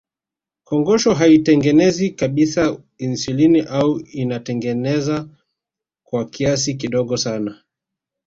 Kongosho haitengenezi kabisa insulini au inatengeneza kwa kiasi kidogo sana